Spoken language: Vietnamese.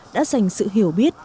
đã dành sự hiểu biết